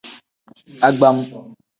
Agbam.